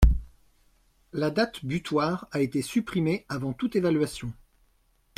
La date butoir a été supprimée avant toute évaluation.